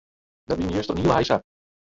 Dat wie my juster in hiele heisa.